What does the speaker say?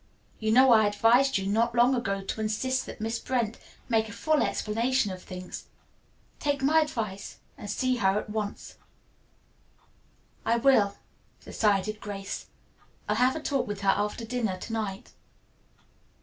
You know I advised you, not long ago, to insist that Miss Brent make a full explanation of things. Take my advice and see her at once." "I will," decided Grace. "I'll have a talk with her after dinner to night."